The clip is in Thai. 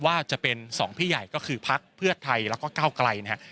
ว่าจะเป็น๒พี่ใหญ่ก็คือพักเพื่อไทยแล้วก็ก้าวไกลนะครับ